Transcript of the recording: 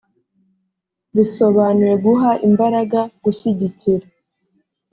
risobanuye guha imbaraga gushyigikira